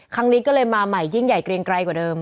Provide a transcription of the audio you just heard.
ครั้งนี้ก็เลยมาใหม่ยิ่งใหญ่เกรียงไกลกว่าเดิม